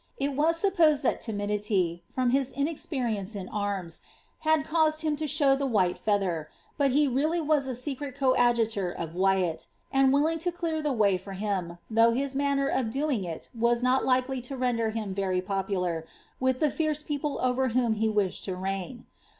^ It was sup posed that timidity, from his inexperience in arms, had caused him to show the white feather ; but he really was a secret coadjutor of Wyatt, «nd willing to clear the way for him, though his manner of doing it was not likely to render him very popular with the fierce people over whom he wished to reign.